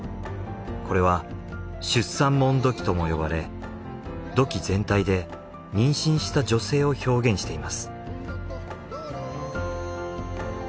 これは出産文土器とも呼ばれ土器全体で妊娠した女性を表現しています。